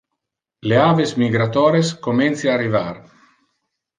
Le aves migratores comencia arrivar.